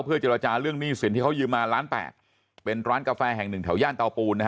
เจรจาเรื่องหนี้สินที่เขายืมมาล้านแปดเป็นร้านกาแฟแห่งหนึ่งแถวย่านเตาปูนนะฮะ